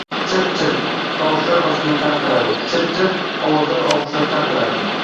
Chirq-chirq... tovushlar ostida tarqaladi. Chirq-chirq... ovozlar og‘ushida tarqaladi.